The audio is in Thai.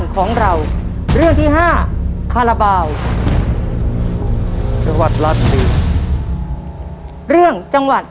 จริงว่าเก่งเกิดราชบุรีรึเปล่า